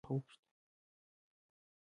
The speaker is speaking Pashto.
موږ له تک تک دې افرادو څخه پوښتو.